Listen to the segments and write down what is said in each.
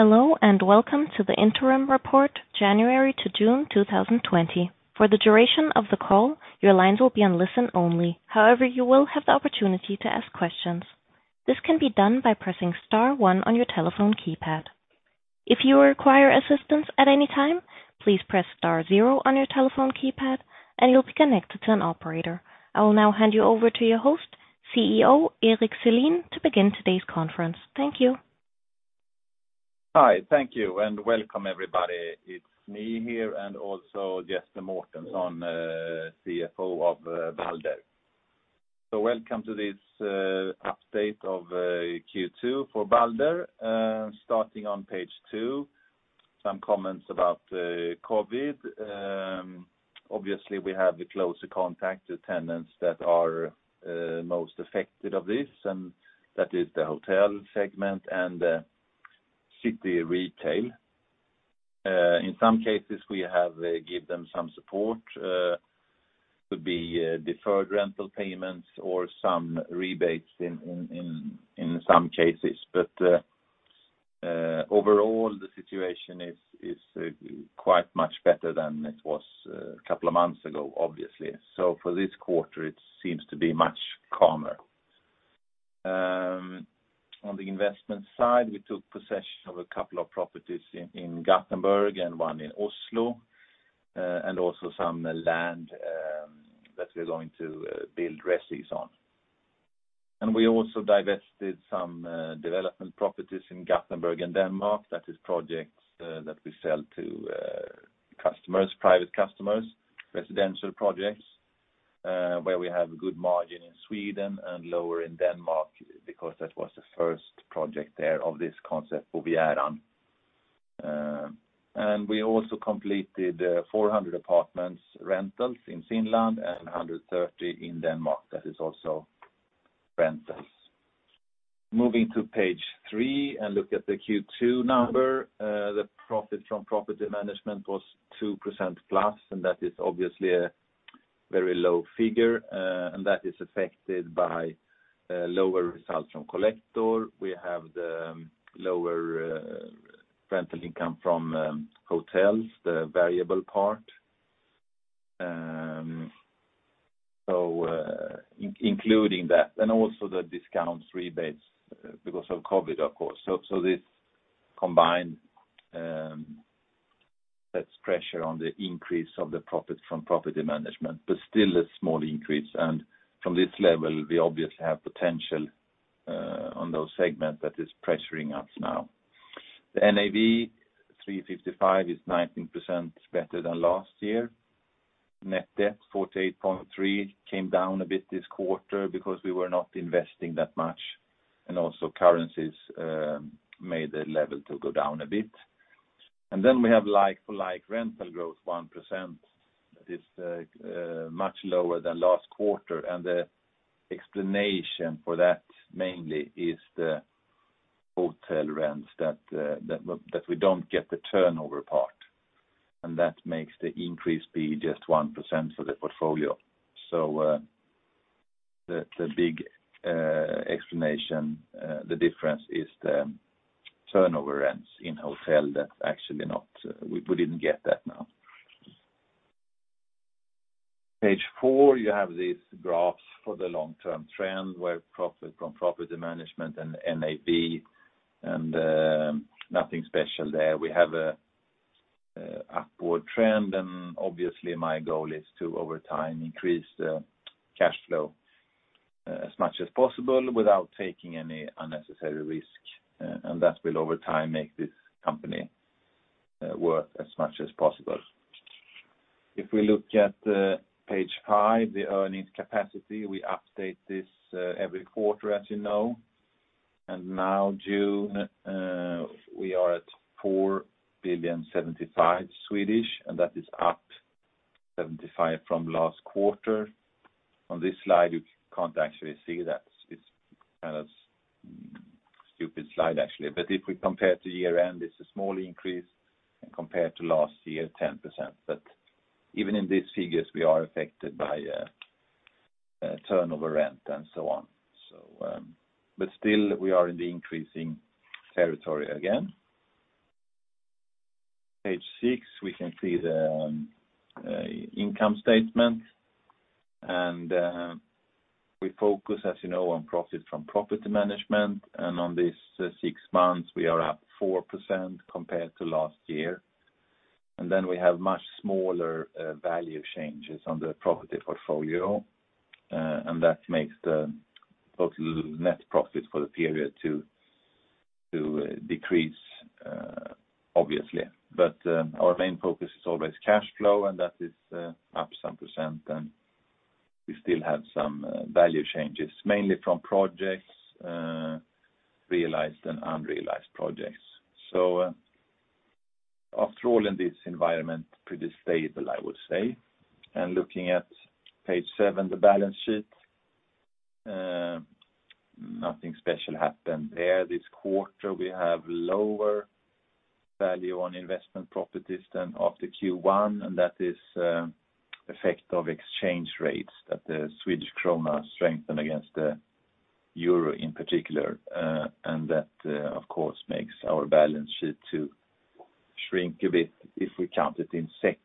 Hello, welcome to the interim report January to June 2020. For the duration of the call, your lines will be on listen only. You will have the opportunity to ask questions. This can be done by pressing star one on your telephone keypad. If you require assistance at any time, please press star zero on your telephone keypad, and you'll be connected to an operator. I will now hand you over to your host, CEO, Erik Selin, to begin today's conference. Thank you. Hi. Thank you, and welcome, everybody. It's me here and also Jesper Mårtensson, CFO of Balder. Welcome to this update of Q2 for Balder. Starting on page two, some comments about COVID. Obviously, we have the closer contact to tenants that are most affected of this, and that is the hotel segment and the city retail. In some cases, we have give them some support. Could be deferred rental payments or some rebates in some cases. Overall, the situation is quite much better than it was a couple of months ago, obviously. For this quarter, it seems to be much calmer. On the investment side, we took possession of a couple of properties in Gothenburg and one in Oslo, and also some land that we're going to build resis on. We also divested some development properties in Gothenburg and Denmark. That is projects that we sell to private customers, residential projects. Where we have good margin in Sweden and lower in Denmark because that was the first project there of this concept Bovieran. We also completed 400 apartments rentals in Finland and 130 in Denmark. That is also rentals. Moving to page three and look at the Q2 number. The profit from property management was 2%-plus, that is obviously a very low figure. That is affected by lower results from Collector. We have the lower rental income from hotels, the variable part. Including that and also the discounts, rebates because of COVID, of course. This combined sets pressure on the increase of the profit from property management, but still a small increase. From this level, we obviously have potential on those segments that is pressuring us now. The NAV 355 is 19% better than last year. Net debt, 48.3, came down a bit this quarter because we were not investing that much, also currencies made the level to go down a bit. We have like-for-like rental growth 1%. That is much lower than last quarter. The explanation for that mainly is the hotel rents that we don't get the turnover part, that makes the increase be just 1% for the portfolio. The big explanation, the difference is the turnover rents in hotel that we didn't get that now. Page four, you have these graphs for the long-term trend where profit from property management and NAV, nothing special there. We have a upward trend, obviously, my goal is to, over time, increase the cash flow as much as possible without taking any unnecessary risk. That will, over time, make this company worth as much as possible. If we look at page five, the earnings capacity. We update this every quarter, as you know. Now June, we are at 4 billion, 75, that is up 75 from last quarter. On this slide, you can't actually see that. It's kind of stupid slide, actually. If we compare to year-end, it's a small increase, and compared to last year, 10%. Even in these figures, we are affected by turnover rent and so on. Still, we are in the increasing territory again. Page six, we can see the income statement. We focus, as you know, on profit from property management. On this six months, we are up 4% compared to last year. We have much smaller value changes on the property portfolio, and that makes the total net profit for the period to decrease, obviously. Our main focus is always cash flow, and that is up some %. We still have some value changes, mainly from projects, realized and unrealized projects. After all, in this environment, pretty stable, I would say. Looking at page seven, the balance sheet. Nothing special happened there this quarter. We have lower value on investment properties then of the Q1, and that is effect of exchange rates that the Swedish krona strengthened against the euro in particular. That, of course, makes our balance sheet to shrink a bit if we count it in SEK.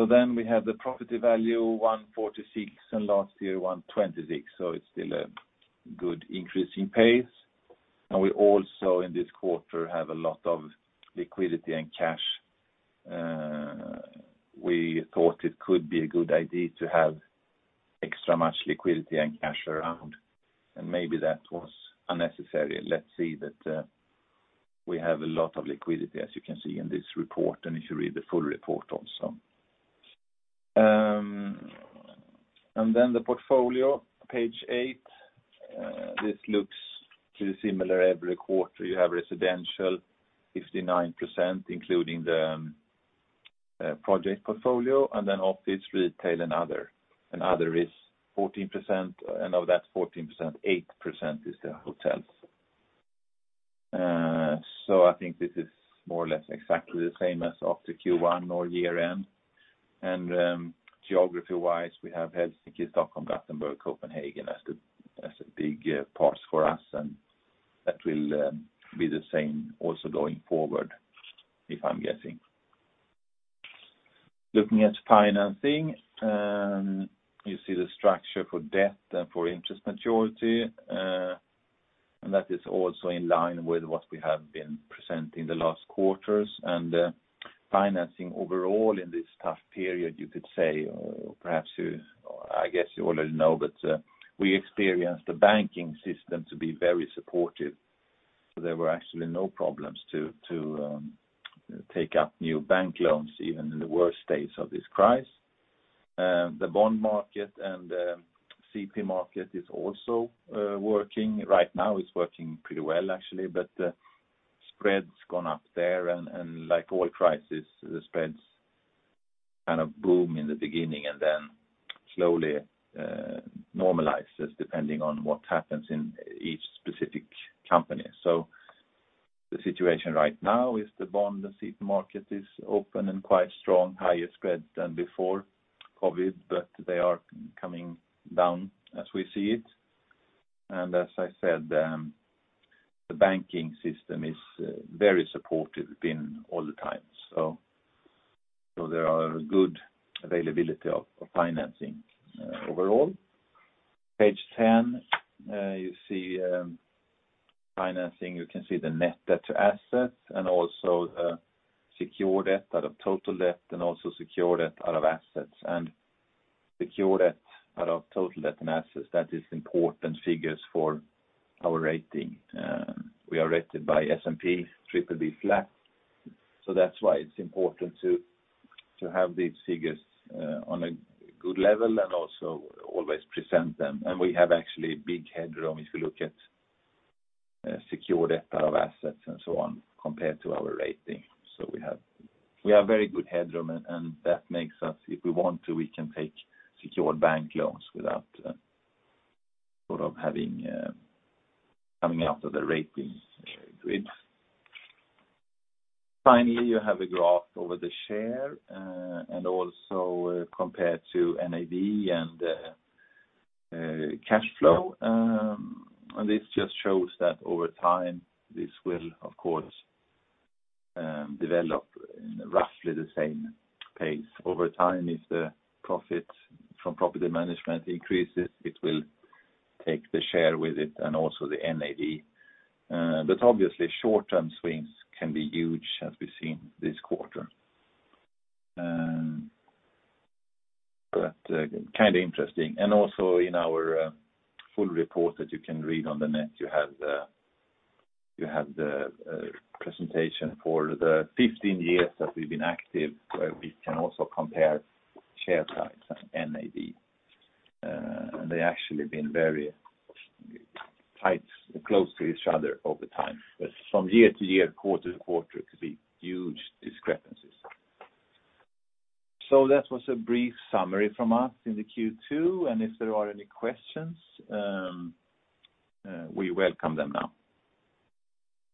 We have the property value 146 and last year 126. It's still a good increase in pace. We also in this quarter have a lot of liquidity and cash. We thought it could be a good idea to have extra much liquidity and cash around, and maybe that was unnecessary. Let's see that we have a lot of liquidity as you can see in this report, and if you read the full report also. The portfolio, page eight. This looks pretty similar every quarter. You have residential 59%, including the project portfolio, office, retail, and other. Other is 14%, and of that 14%, 8% is the hotels. I think this is more or less exactly the same as of the Q1 or year-end. Geography-wise, we have Helsinki, Stockholm, Gothenburg, Copenhagen as the big parts for us, and that will be the same also going forward, if I'm guessing. Looking at financing, you see the structure for debt and for interest maturity, that is also in line with what we have been presenting the last quarters. Financing overall in this tough period, you could say, or perhaps I guess you already know, but we experienced the banking system to be very supportive. There were actually no problems to take up new bank loans even in the worst days of this crisis. The bond market and the CP market is also working. Right now it's working pretty well actually, the spread's gone up there and like all crises, the spreads kind of boom in the beginning and then slowly normalizes depending on what happens in each specific company. The situation right now is the bond and CP market is open and quite strong, higher spreads than before COVID, but they are coming down as we see it. As I said, the banking system is very supportive, been all the time. There are good availability of financing overall. Page 10, you see financing, you can see the net debt to assets and also secure debt out of total debt and also secure debt out of assets. Secure debt out of total debt and assets, that is important figures for our rating. We are rated by S&P BBB flat. That's why it's important to have these figures on a good level and also always present them. We have actually big headroom if you look at secure debt out of assets and so on, compared to our rating. We have very good headroom, and that makes us, if we want to, we can take secured bank loans without coming out of the rating grid. Finally, you have a graph over the share, and also compared to NAV and cash flow. This just shows that over time, this will, of course, develop in roughly the same pace. Over time, if the profit from property management increases, it will take the share with it and also the NAV. Obviously, short-term swings can be huge as we've seen this quarter. Kind of interesting. Also in our full report that you can read on the net, you have the presentation for the 15 years that we've been active, where we can also compare share price and NAV. They actually been very tight, close to each other over time. From year to year, quarter to quarter, it could be huge discrepancies. That was a brief summary from us in the Q2. If there are any questions, we welcome them now.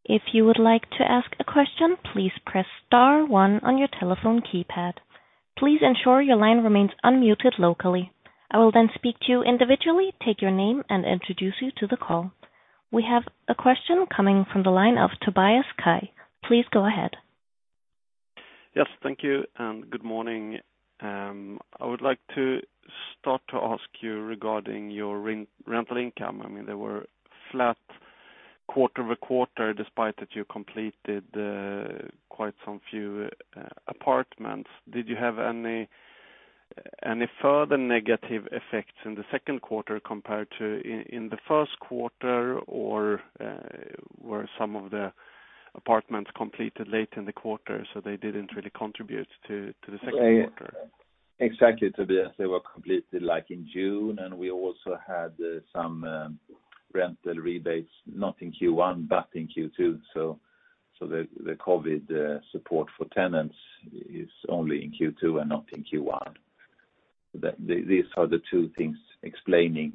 If you would like to ask a question, please press star 1 on your telephone keypad. Please ensure your line remains unmuted locally. I will then speak to you individually, take your name, and introduce you to the call. We have a question coming from the line of Tobias Kaj. Please go ahead. Yes. Thank you. Good morning. I would like to start to ask you regarding your rental income. They were flat quarter-over-quarter despite that you completed quite some few apartments. Did you have any further negative effects in the second quarter compared to in the first quarter or were some of the apartments completed late in the quarter, so they didn't really contribute to the second quarter? Exactly, Tobias. They were completed like in June, and we also had some rental rebates, not in Q1 but in Q2. The COVID support for tenants is only in Q2 and not in Q1. These are the two things explaining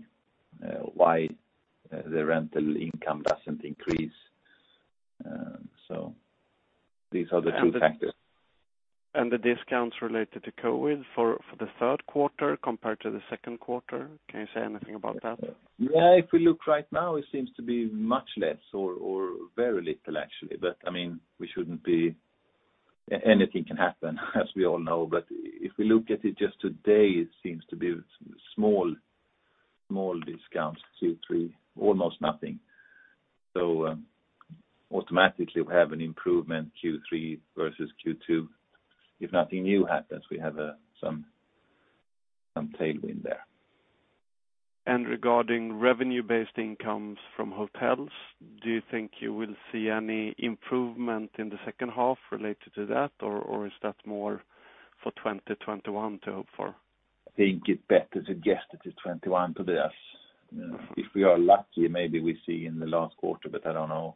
why the rental income doesn't increase. These are the two factors. The discounts related to COVID for the third quarter compared to the second quarter, can you say anything about that? If we look right now, it seems to be much less or very little actually, but anything can happen, as we all know. If we look at it just today, it seems to be small discounts, Q3, almost nothing. Automatically we have an improvement Q3 versus Q2. If nothing new happens, we have some tailwind there. Regarding revenue-based incomes from hotels, do you think you will see any improvement in the second half related to that, or is that more for 2021 to hope for? I think it's better to suggest it is 2021, Tobias. If we are lucky, maybe we see in the last quarter, but I don't know.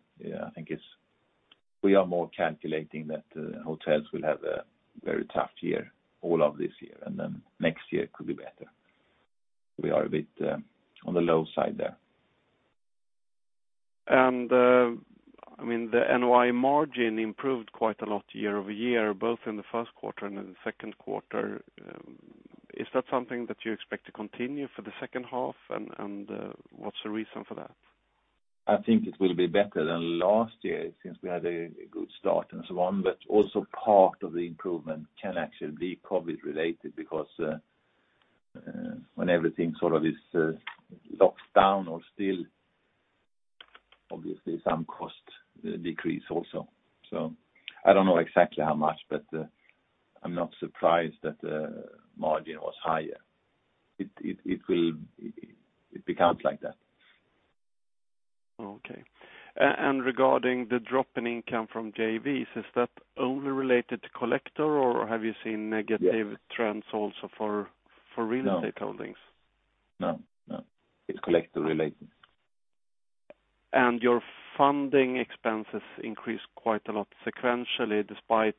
We are more calculating that hotels will have a very tough year all of this year, and then next year it could be better. We are a bit on the low side there. The NOI margin improved quite a lot year-over-year, both in the first quarter and in the second quarter. Is that something that you expect to continue for the second half? What's the reason for that? I think it will be better than last year since we had a good start and so on. Also part of the improvement can actually be COVID-related because when everything sort of is locked down or still, obviously some costs decrease also. I don't know exactly how much, but I'm not surprised that the margin was higher. It becomes like that. Okay. Regarding the drop in income from JVs, is that only related to Collector or have you seen negative trends also for real estate holdings? No. It's Collector related. Your funding expenses increased quite a lot sequentially despite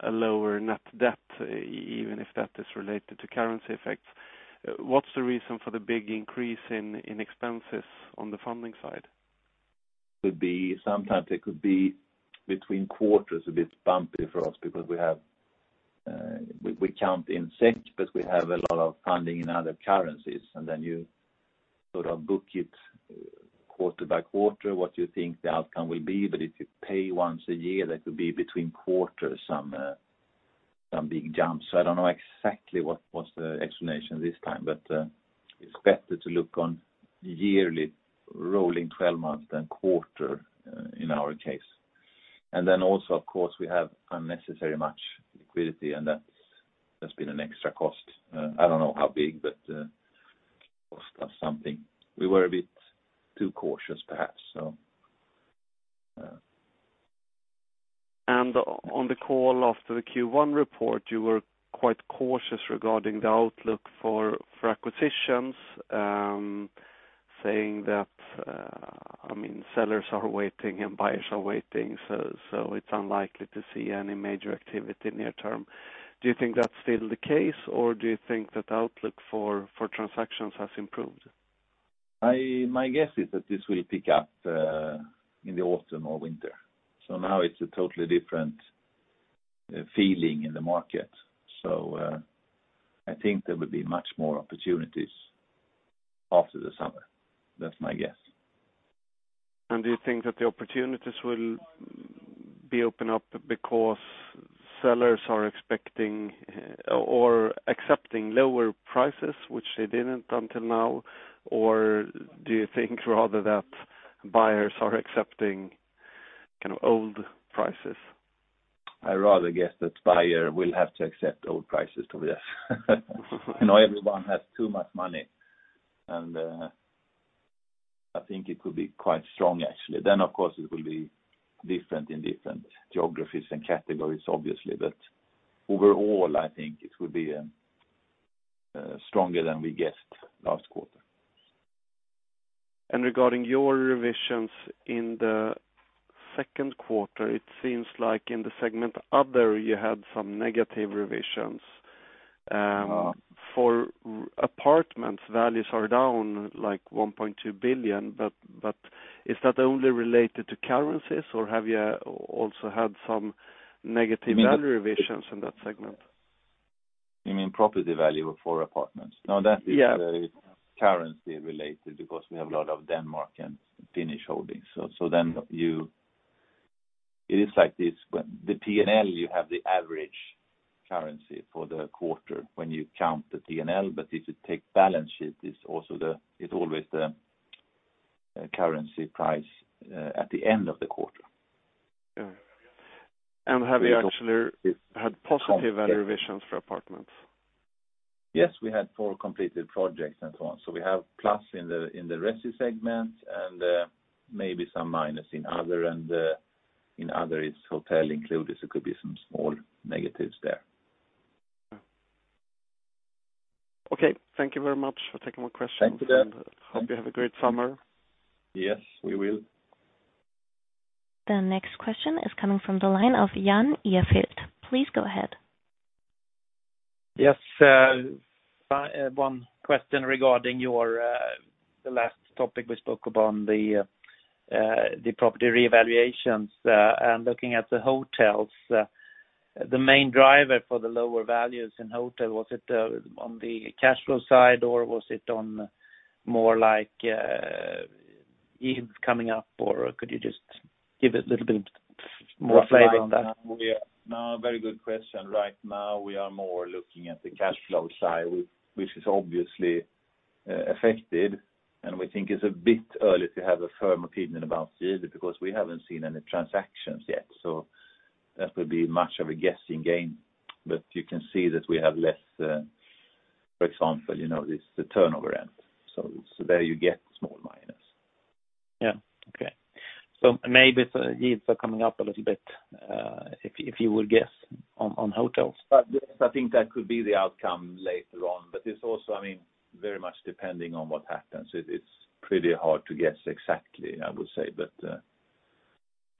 a lower net debt, even if that is related to currency effects. What's the reason for the big increase in expenses on the funding side? Sometimes it could be between quarters a bit bumpy for us because we count in SEK, but we have a lot of funding in other currencies. Then you sort of book it quarter by quarter what you think the outcome will be. If you pay once a year, that could be between quarters some big jumps. I don't know exactly what was the explanation this time, but it's better to look on yearly rolling 12 months than quarter in our case. Then also, of course, we have unnecessary much liquidity, and that's been an extra cost. I don't know how big, but cost us something. We were a bit too cautious perhaps. On the call after the Q1 report, you were quite cautious regarding the outlook for acquisitions, saying that sellers are waiting and buyers are waiting, so it's unlikely to see any major activity near term. Do you think that's still the case, or do you think that outlook for transactions has improved? My guess is that this will pick up in the autumn or winter. Now it's a totally different feeling in the market. I think there will be much more opportunities after the summer. That's my guess. Do you think that the opportunities will be open up because sellers are expecting or accepting lower prices, which they didn't until now? Do you think rather that buyers are accepting kind of old prices? I rather guess that buyer will have to accept old prices, Tobias. Everyone has too much money, I think it will be quite strong, actually. Of course, it will be different in different geographies and categories, obviously. Overall, I think it will be stronger than we guessed last quarter. Regarding your revisions in the second quarter, it seems like in the segment Other, you had some negative revisions. For apartments, values are down like 1.2 billion, but is that only related to currencies, or have you also had some negative value revisions in that segment? You mean property value for apartments? Yeah. No, that is currency related because we have a lot of Denmark and Finnish holdings. It is like this. The P&L you have the average currency for the quarter when you count the P&L, but if you take balance sheet, it's always the currency price at the end of the quarter. Yeah. Have you actually had positive value revisions for apartments? We had four completed projects and so on. We have plus in the resi segment and maybe some minus in Other, and in Other it's hotel included, could be some small negatives there. Okay. Thank you very much for taking my questions. Thank you. Hope you have a great summer. Yes, we will. The next question is coming from the line of Jan Ihrfelt. Please go ahead. Yes. One question regarding the last topic we spoke about, the property revaluations. Looking at the hotels, the main driver for the lower values in hotel, was it on the cash flow side, or was it on more like yields coming up? Could you just give it a little bit more flavor on that? No, very good question. Right now we are more looking at the cash flow side, which is obviously affected, and we think it's a bit early to have a firm opinion about yield because we haven't seen any transactions yet. That would be much of a guessing game. You can see that we have less, for example, the turnover end. There you get small minus. Yeah. Okay. Maybe the yields are coming up a little bit, if you would guess on hotels. Yes, I think that could be the outcome later on, but it's also very much depending on what happens. It's pretty hard to guess exactly, I would say. If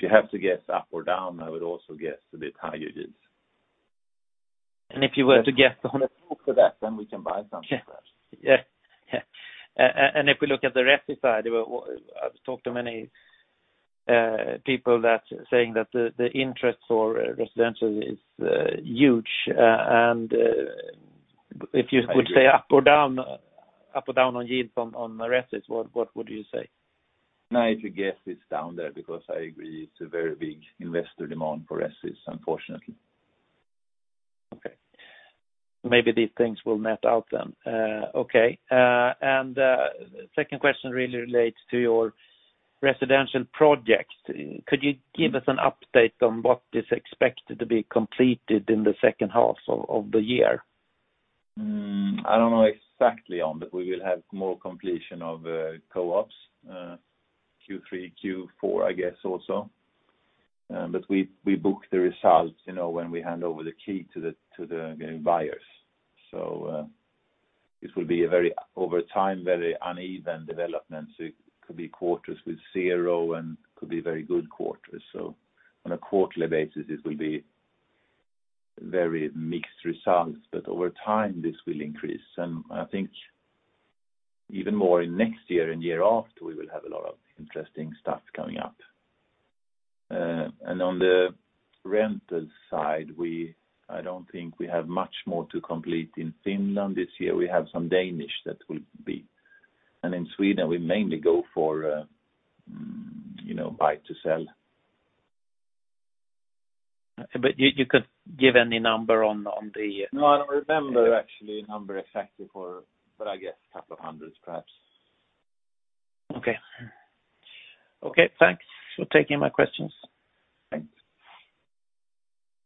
you have to guess up or down, I would also guess a bit higher yields. if you were to guess- On a talk to that, we can buy some perhaps. Yeah. If we look at the resi side, I've talked to many people that saying that the interest for residential is huge. I agree. would say up or down on yield on resis, what would you say? If you guess it's down there, because I agree it's a very big investor demand for resis, unfortunately. Okay. Maybe these things will net out then. Okay. The second question really relates to your residential projects. Could you give us an update on what is expected to be completed in the second half of the year? I don't know exactly. We will have more completion of co-ops, Q3, Q4, I guess also. We book the results when we hand over the key to the buyers. This will be over time very uneven development. It could be quarters with zero and could be very good quarters. On a quarterly basis, it will be very mixed results. Over time, this will increase. I think even more in next year and year after, we will have a lot of interesting stuff coming up. On the rental side, I don't think we have much more to complete in Finland this year. We have some Danish that will be. In Sweden, we mainly go for buy to sell. You could give any number on the. No, I don't remember actually number exactly for, but I guess a couple of hundreds perhaps. Okay. Thanks for taking my questions. Thanks.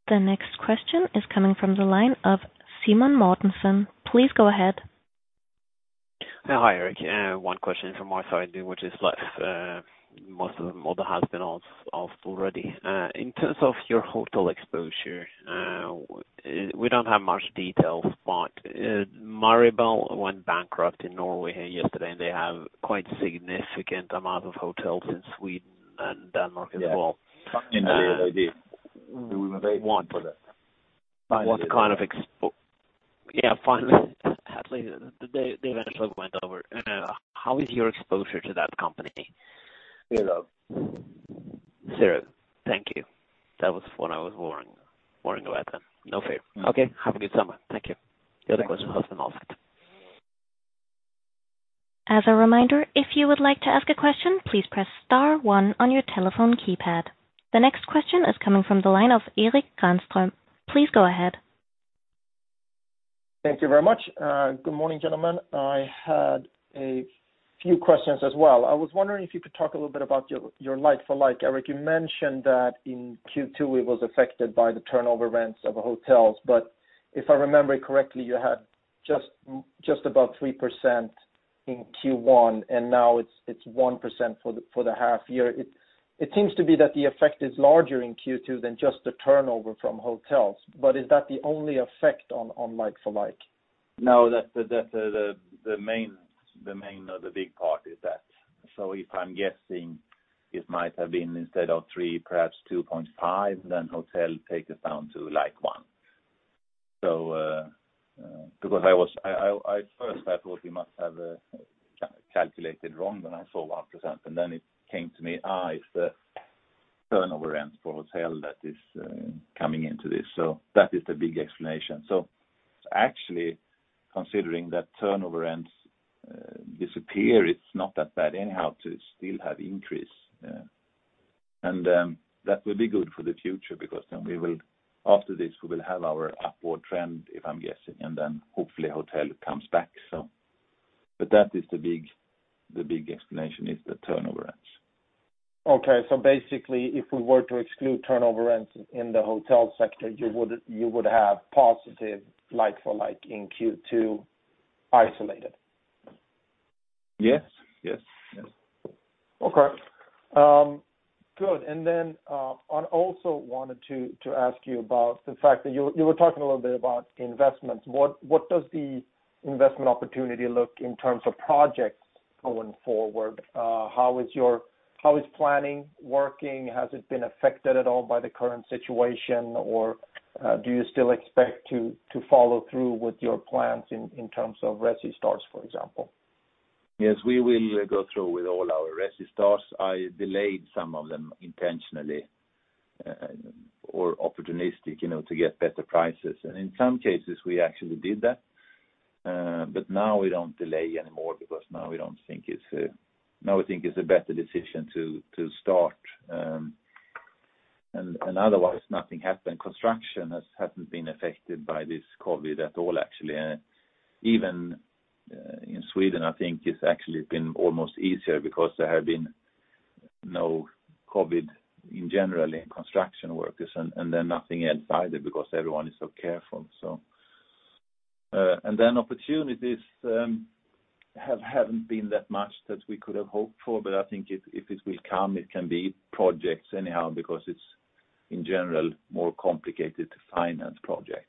The next question is coming from the line of Simen Mortensen. Please go ahead. Hi, Erik. One question from my side, which is left. Most of them all has been asked off already. In terms of your hotel exposure, we don't have much details, but Maribel went bankrupt in Norway yesterday, and they have quite significant amount of hotels in Sweden and Denmark as well. Yeah. Indeed they did. We were waiting for that. Yeah, finally. They eventually went over. How is your exposure to that company? Zero. Zero. Thank you. That was what I was worrying about then. No fear. Okay, have a good summer. Thank you. The other questions have been asked. As a reminder, if you would like to ask a question, please press star one on your telephone keypad. The next question is coming from the line of Erik Granström. Please go ahead. Thank you very much. Good morning, gentlemen. I had a few questions as well. I was wondering if you could talk a little bit about your like-for-like. Erik, you mentioned that in Q2 it was affected by the turnover rents of hotels. If I remember correctly, you had just about 3% in Q1, and now it's 1% for the half year. It seems to be that the effect is larger in Q2 than just the turnover from hotels. Is that the only effect on like-for-like? No, that's the main or the big part is that. If I'm guessing it might have been instead of three, perhaps 2.5, then hotel take us down to one. At first I thought we must have calculated wrong when I saw 1%, and then it came to me, it's the turnover rents for hotel that is coming into this. That is the big explanation. Actually considering that turnover rents disappear, it's not that bad anyhow to still have increase. That will be good for the future because then after this, we will have our upward trend, if I'm guessing, and then hopefully hotel comes back. The big explanation is the turnover rents. Okay. Basically if we were to exclude turnover rents in the hotel sector, you would have positive like-for-like in Q2 isolated? Yes. Okay. Good. Then I also wanted to ask you about the fact that you were talking a little bit about investments. What does the investment opportunity look in terms of projects going forward? How is planning working? Has it been affected at all by the current situation? Do you still expect to follow through with your plans in terms of resis starts, for example? We will go through with all our resis starts. I delayed some of them intentionally or opportunistic to get better prices. In some cases, we actually did that. Now we don't delay anymore because now we think it's a better decision to start. Otherwise, nothing happened. Construction hasn't been affected by this COVID at all, actually. Even in Sweden, I think it's actually been almost easier because there have been no COVID in general in construction workers, nothing else either because everyone is so careful. Opportunities haven't been that much that we could have hoped for, I think if it will come, it can be projects anyhow because it's in general more complicated to finance projects.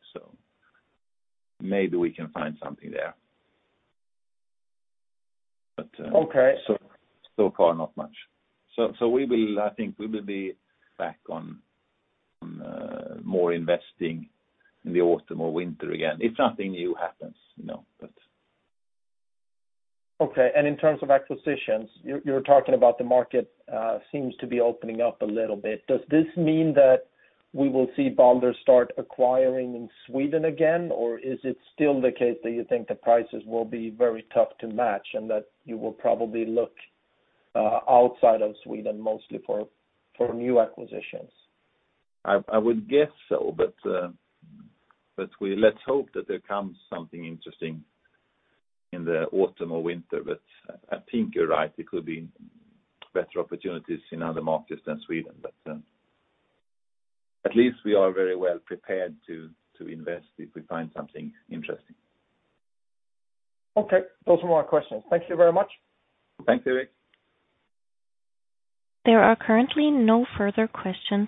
Maybe we can find something there. Okay. Far not much. I think we will be back on more investing in the autumn or winter again, if nothing new happens. Okay, in terms of acquisitions, you're talking about the market seems to be opening up a little bit. Does this mean that we will see Balder start acquiring in Sweden again? Is it still the case that you think the prices will be very tough to match and that you will probably look outside of Sweden mostly for new acquisitions? I would guess so. Let's hope that there comes something interesting in the autumn or winter. I think you're right, it could be better opportunities in other markets than Sweden. At least we are very well prepared to invest if we find something interesting. Okay. Those are my questions. Thank you very much. Thanks, Erik. There are currently no further questions.